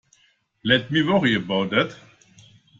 Let me worry about that.